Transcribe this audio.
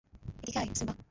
এদিকে আয়, সিম্বা!